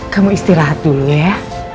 kamu istirahat dulu ya